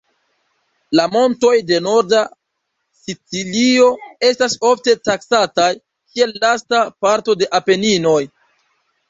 La montoj de norda Sicilio estas ofte taksataj kiel lasta parto de Apeninoj.